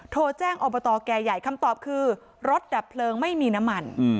โทรแจ้งอบตแก่ใหญ่คำตอบคือรถดับเพลิงไม่มีน้ำมัน